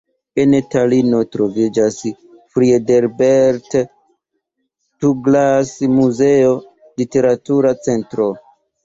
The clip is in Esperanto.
En Talino troviĝas Friedebert-Tuglas-muzeo, literatura centro.